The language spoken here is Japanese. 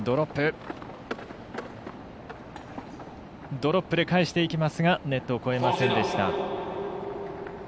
ドロップで返していきましたがネットを越えませんでした。